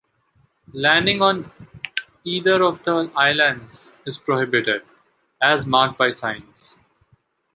Landing on either of the islands is prohibited, as marked by signs.